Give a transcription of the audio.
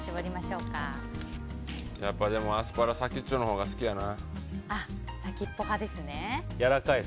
アスパラ、先っちょのほうが好きやな。